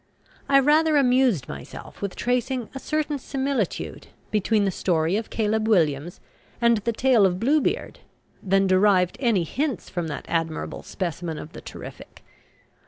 I rather amused myself with tracing a certain similitude between the story of Caleb Williams and the tale of Bluebeard, than derived any hints from that admirable specimen of the terrific.